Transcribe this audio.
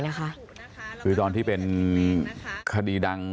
แต่ภายหลังได้รับแจ้งว่ากำลังจะแต่งงาน